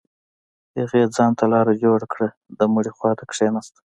هغې ځان ته لاره جوړه كړه د مړي خوا ته كښېناسته.